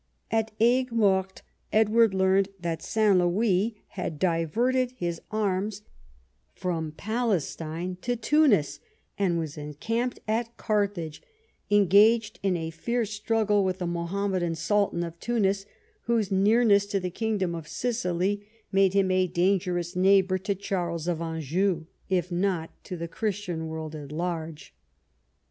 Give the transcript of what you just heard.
At Aigues Mortes Edward learnt that St. Louis had diverted his arms from Palestine to Tunis, and was encamped at Carthage engaged in a fierce struggle with the Mohammedan Sultan of Tunis, whose nearness to the kingdom of Sicily made him a dangerous neighbour to Charles of Anjou, if not to the Christian world at large.